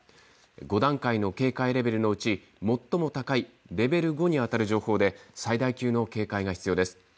５段階の警戒レベルのうち最も高いレベル５にあたる情報で最大級の警戒が必要です。